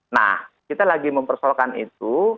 nah kita lagi mempersoalkan itu